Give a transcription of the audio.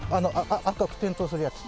赤く点灯するやつ。